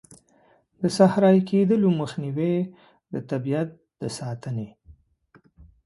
د صحرایې کیدلو مخنیوی، د طبیعیت د ساتنې.